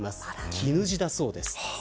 絹地だそうです。